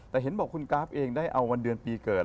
แต่เห็นบอกคุณกราฟเองได้เอาวันเดือนปีเกิด